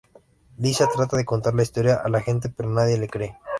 Lisa trata de contar la historia a la gente, pero nadie le cree.